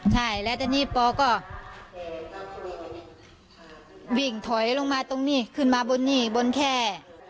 ใช่แล้วตอนนี้ปอก็วิ่งถอยลงมาตรงนี้ขึ้นมาบนนี่บนแค่